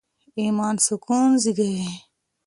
ایمان سکون زېږوي.